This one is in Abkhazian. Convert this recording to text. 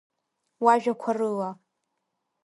Уажәақәа рыла…